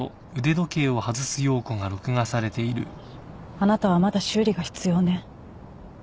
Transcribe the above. あなたはまだ修理が必要ね。